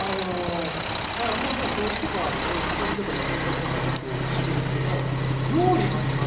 だから掃除とかそういう片付けとか洗濯とかはすごいしてくれるんですけど料理が苦手みたいですね。